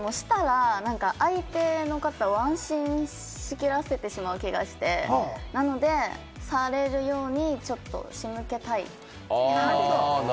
されたいというよりも、したら、相手の方を安心しきらせてしまう気がして、なので、されるようにちょっと仕向けたい。